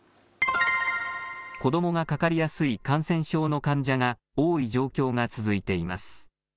子どもがかかりやすい感染症の患者が多い状況が続いています。